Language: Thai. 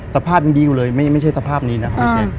สภาพยังดีอยู่เลยไม่ใช่สภาพนี้นะครับพี่แจ๊ค